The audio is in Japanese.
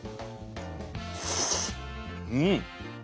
うん！